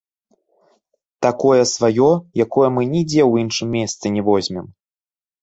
Такое сваё, якое мы нідзе ў іншым месцы не возьмем.